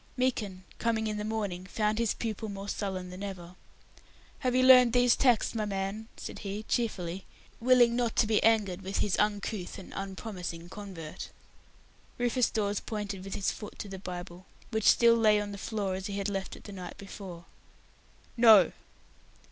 Meekin, in the morning, found his pupil more sullen than ever. "Have you learned these texts, my man?" said he, cheerfully, willing not to be angered with his uncouth and unpromising convert. Rufus Dawes pointed with his foot to the Bible, which still lay on the floor as he had left it the night before. "No!"